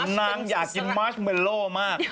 เพราะนางอยากกินมาร์ชเมลโล่มาก